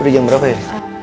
udah jam berapa ya